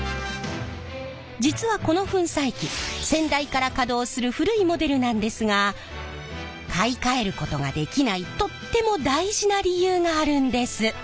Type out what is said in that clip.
実はこの粉砕機先代から稼働する古いモデルなんですが買い替えることができないとっても大事な理由があるんです！